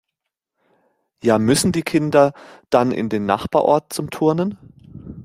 Ja müssen die Kinder dann in den Nachbarort zum Turnen?